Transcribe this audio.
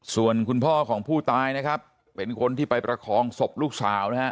ส่วนคุณพ่อของผู้ตายนะครับเป็นคนที่ไปประคองศพลูกสาวนะฮะ